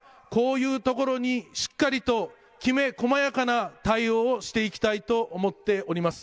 中小企業、小規模事業者、私はこういうところにしっかりときめ細やかな対応をしていきたいと思っております。